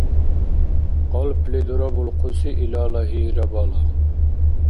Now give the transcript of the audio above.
Къалпли дурабулхъуси илала гьигьра бала.